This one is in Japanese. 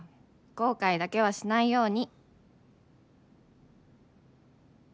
後悔だけはしないように」。